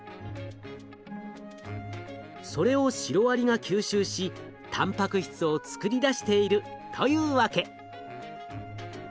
それをシロアリが吸収したんぱく質を作り出しているというわけ。